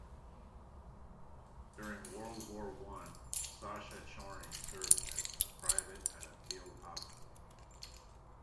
During World War One, Sasha Chorny served as a private at a field hospital.